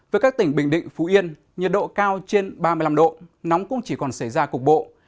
với các tỉnh bình định phú yên nhiệt độ cao trên ba mươi năm độ nóng cũng chỉ còn xảy ra cục bộ